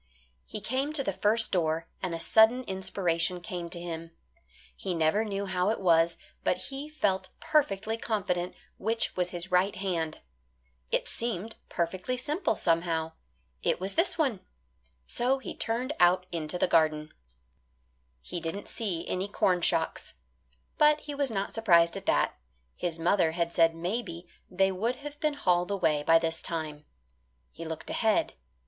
He came to the first door, and a sudden inspiration came to him. He never knew how it was, but he felt perfectly confident which was his right hand. It seemed perfectly simple, somehow. It was this one. So he turned out into the garden. He didn't see any corn shocks. But he was not surprised at that. His mother had said maybe they would have been hauled away by this time. He looked ahead.